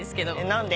何で？